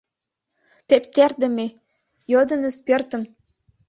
Тептердыме, йодыныс пӧртым!